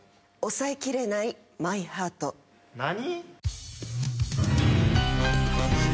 『抑えきれないマイハート』何？